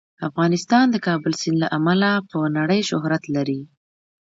افغانستان د کابل سیند له امله په نړۍ شهرت لري.